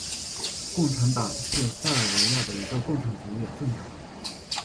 共产党是塞尔维亚的一个共产主义政党。